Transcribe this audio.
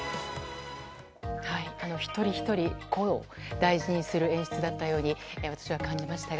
一人ひとり、個を大事にする演出だったように私は感じましたが。